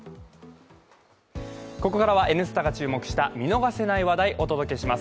ここからは「Ｎスタ」が注目した見逃せない話題お伝えします。